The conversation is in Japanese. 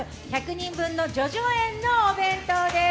１００人分の叙々苑のお弁当です。